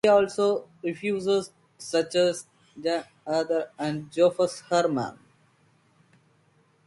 He also helped refugees such as Jankel Adler and Josef Herman.